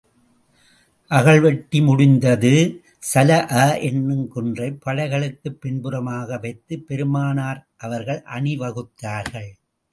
அகழ் வெட்டி முடிந்தது ஸலஅ என்னும் குன்றைப் படைகளுக்குப் பின்புறமாக வைத்து பெருமானார் அவர்கள் அணி வகுத்தார்கள்.